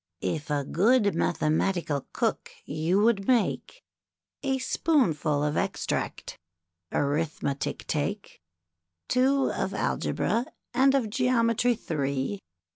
If a good Mathematical Cook you would make, A spoonful of extract Arithmetic take ; Two of Algebra, and of Geometry three.